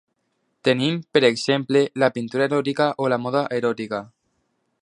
Tenim, per exemple, la pintura eròtica o la moda eròtica.